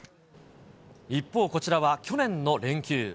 一方、こちらは去年の連休。